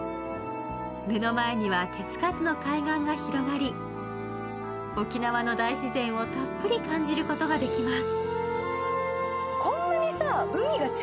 目の前には手つかずの海岸が広がり、沖縄の大自然をたっぷり感じることができます